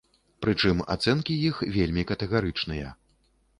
Прычым ацэнкі іх вельмі катэгарычныя.